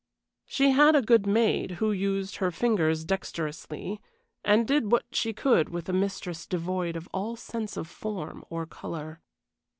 She had a good maid who used her fingers dexterously, and did what she could with a mistress devoid of all sense of form or color.